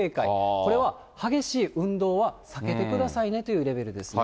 これは激しい運動は避けてくださいねというレベルです。